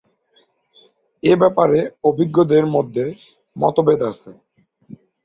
এ ব্যাপারে অভিজ্ঞ দের মধ্যে মত ভেদ আছে।